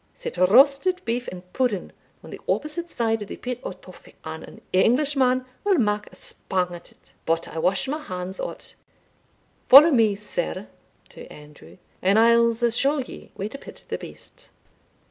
Set roasted beef and pudding on the opposite side o' the pit o' Tophet, and an Englishman will mak a spang at it But I wash my hands o't Follow me sir" (to Andrew), "and I'se show ye where to pit the beasts."